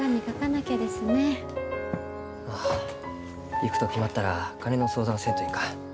行くと決まったら金の相談せんといかん。